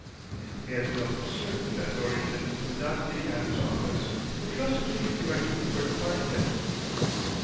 He had felt certain that Dorrington would not be at his office, but trusted to be directed where to find him.